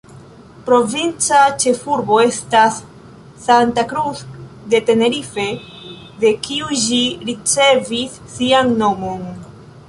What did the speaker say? Provinca ĉefurbo estas Santa Cruz de Tenerife, de kiu ĝi ricevis sian nomon.